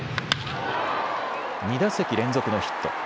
２打席連続のヒット。